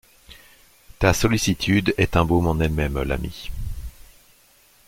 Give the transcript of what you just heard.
Ta sollicitude est un baume en elle-même, l’ami.